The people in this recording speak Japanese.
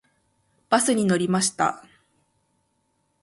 バスに乗りました。